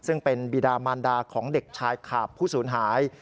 ซึ่งเป็นบีดามันดาของเด็กชายขาบผู้สูญหาย